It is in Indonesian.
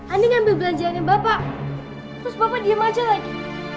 ini ngambil belanjaannya bapak terus bapak diem aja lagi